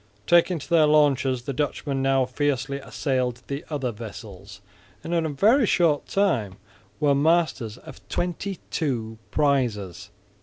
Taking to their launches, the Dutchmen now fiercely assailed the other vessels, and in a very short time were masters of twenty two prizes.